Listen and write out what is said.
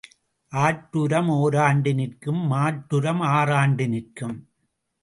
ஆட்டு உரம் ஒராண்டு நிற்கும் மாட்டு உரம் ஆறாண்டு நிற்கும்.